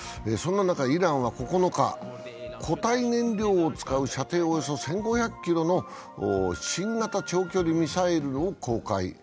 そんな中、イランは９日、固体燃料を使う射程およそ１５００ｋｍの新型長距離ミサイルを公開。